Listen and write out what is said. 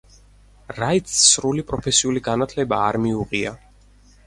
რაიტს სრული პროფესიული განათლება არ მიუღია.